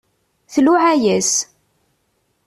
Tluɛa-yas.